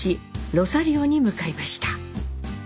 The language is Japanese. ロサリオに向かいました。